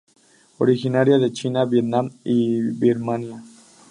Originaria de China, Vietnam y Birmania.